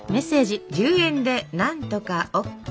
「１０円で何とかＯＫ」。